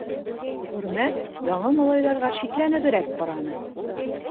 Хөрмәт яңы малайҙарға шикләнеберәк ҡараны.